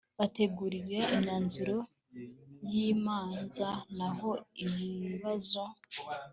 bategurirwa imyanzuro y imanza naho ibibazo